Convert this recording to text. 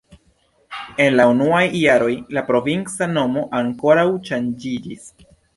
En la unuaj jaroj la provinca nomo ankoraŭ ŝanĝiĝis.